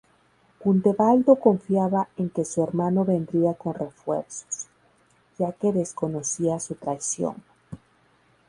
Gundebaldo confiaba en que su hermano vendría con refuerzos, ya que desconocía su traición.